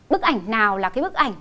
bức ảnh nào là cái bức ảnh